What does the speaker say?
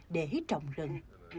để trồng rừng